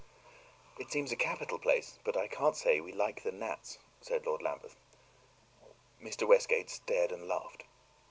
"It seems a capital place, but I can't say we like the gnats," said Lord Lambeth. Mr. Westgate stared and laughed.